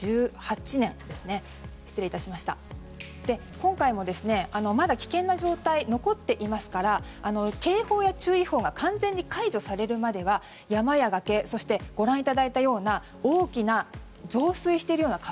今回もまだ危険な状態残っていますから警報や注意報が完全に解除されるまでは山や崖、ご覧いただいたような大きな増水しているような川。